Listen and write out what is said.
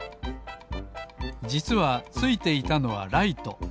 じつはついていたのはライト。